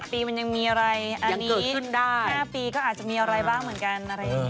๒๑ปีมันยังมีอะไรอันนี้ห้าปีก็อาจจะมีอะไรบ้างเหมือนกัน